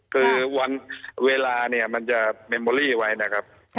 คือวันเวลาเนี่ยมันจะเมมโบรี่ไว้นะครับ